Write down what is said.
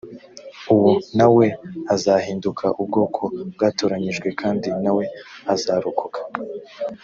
uwo na we azahinduka ubwoko bwatoranyijwe kandi na we azarokoka